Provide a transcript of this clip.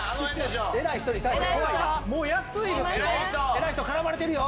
偉い人絡まれてるよ